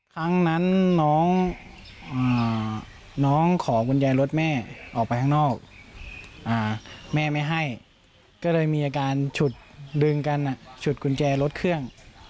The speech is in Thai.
ครั้งนั้นน้องขอคุณยายรถแม่ออกไปข้างนอกแม่ไม่ให้ก็เลยมีอาการฉุดดึงกันฉุดกุญแจรถเครื่อง